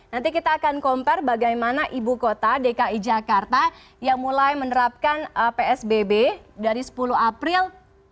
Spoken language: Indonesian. nanti kita akan compare bagaimana ibu kota dki jakarta yang mulai menerapkan psbb dari sepuluh april